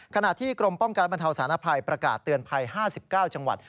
ขณะที่กรมป้องกันบรรเทาสารภัยประกาศเตือนภัย๕๙จังหวัด